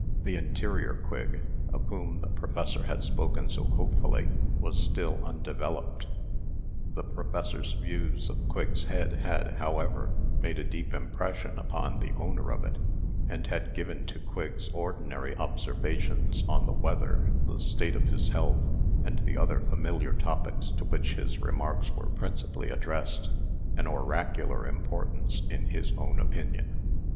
The interior Quigg, of whom the professor had spoken so hopefully, was still undeveloped. The professor's views of Quigg's head had, however, made a deep impression upon the owner of it, and had given to Quigg's ordinary observations on the weather, the state of his health, and the other familiar topics to which his remarks were principally addressed, an oracular importance in his own opinion.